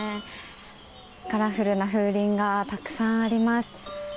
カラフルな風鈴がたくさんあります。